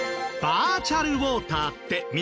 バーチャルウォーター。